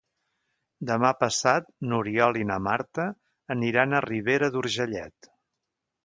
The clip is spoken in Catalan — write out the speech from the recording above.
Demà passat n'Oriol i na Marta aniran a Ribera d'Urgellet.